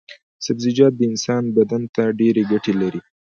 سبزيجات د انسان بدن ته ډېرې ګټې لري.